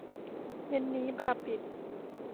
เย็นนี้บาร์ปิด